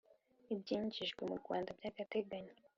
ibyinjijwe mu Rwanda by’agategayo